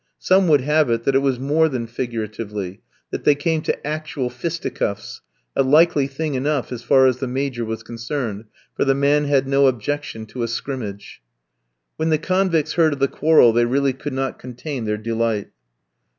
Some would have it that it was more than figuratively, that they came to actual fisticuffs, a likely thing enough as far as the Major was concerned, for the man had no objection to a scrimmage. When the convicts heard of the quarrel they really could not contain their delight.